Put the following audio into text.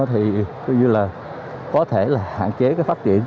thì có thể hạn chế phát triển